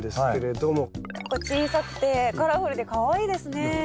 小さくてカラフルでかわいいですね。